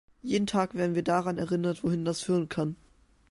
Jeden Tag werden wir daran erinnert, wohin das führen kann.